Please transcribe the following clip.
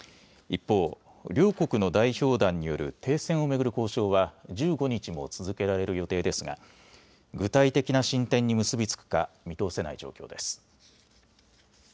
一方、両国の代表団による停戦を巡る交渉は１５日も続けられる予定ですが具体的な進展に結び付くか見通せない状況です。